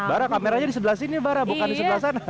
barak kameranya di sebelah sini ya barak bukan di sebelah sana